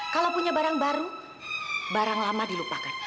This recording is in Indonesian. kalau punya barang baru barang lama dilupakan